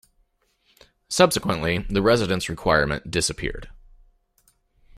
Subsequently, the residence requirement disappeared.